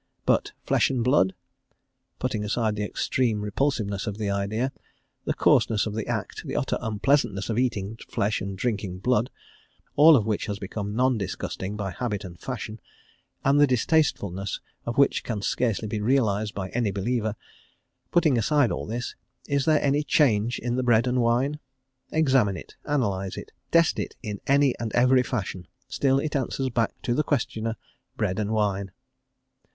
But flesh and blood! Putting aside the extreme repulsiveness of the idea, the coarseness of the act, the utter unpleasantness of eating flesh and drinking blood, all of which has become non disgusting by habit and fashion, and the distastefulness of which can scarcely be realised by any believer putting aside all this, is there any change in the bread and wine? Examine it; analyse it; test it in any and every fashion; still it answers back to the questioner, "bread and wine."